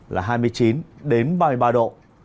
là hai mươi chín đến ba mươi ba độ